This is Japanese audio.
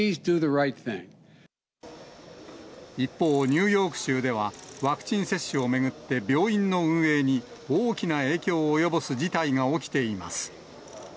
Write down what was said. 一方、ニューヨーク州では、ワクチン接種を巡って、病院の運営に大きな影響を及ぼす事態が起きています。